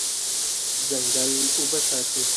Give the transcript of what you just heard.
ځنګل اوبه ساتي.